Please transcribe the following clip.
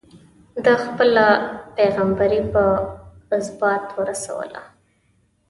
ده خپله پيغمبري په ازبات ورسوله.